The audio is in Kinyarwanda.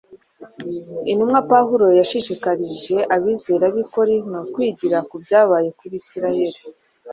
intumwa pawulo yashishikarije abizera b’i korinto kwigira ku byabaye kuri isirayeri.